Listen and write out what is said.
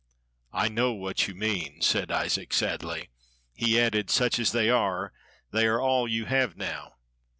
"I know what you mean," said Isaac, sadly. He added: "Such as they are, they are all you have now.